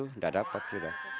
tidak dapat sudah